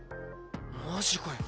マジかよ。